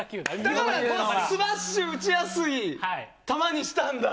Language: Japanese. だから、スマッシュ打ちやすい球にしたんだ。